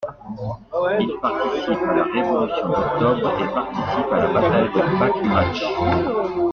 Il participe à la Révolution d'octobre et participe à la bataille de Bakhmatch.